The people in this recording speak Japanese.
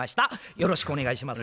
よろしくお願いします。